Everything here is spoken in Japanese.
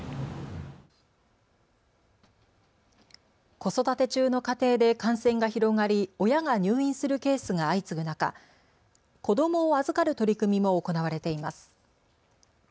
子育て中の家庭で感染が広がり、親が入院するケースが相次ぐ中、子どもを預かる取り組みも行われています。